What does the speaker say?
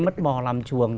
mất bò làm chuồng